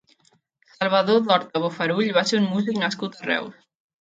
Salvador d'Horta Bofarull va ser un músic nascut a Reus.